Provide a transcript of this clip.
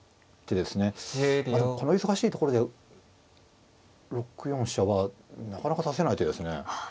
でもこの忙しいところで６四飛車はなかなか指せない手ですね。